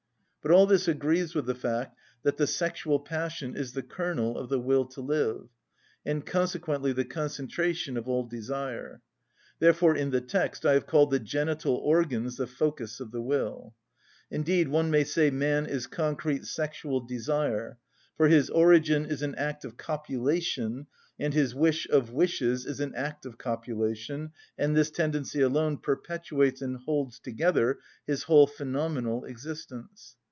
But all this agrees with the fact that the sexual passion is the kernel of the will to live, and consequently the concentration of all desire; therefore in the text I have called the genital organs the focus of the will. Indeed, one may say man is concrete sexual desire; for his origin is an act of copulation and his wish of wishes is an act of copulation, and this tendency alone perpetuates and holds together his whole phenomenal existence.